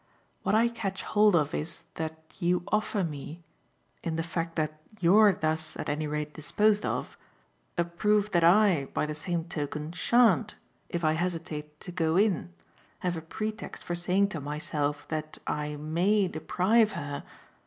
What I catch hold of is that you offer me in the fact that you're thus at any rate disposed of a proof that I, by the same token, shan't, if I hesitate to 'go in,' have a pretext for saying to myself that I MAY deprive her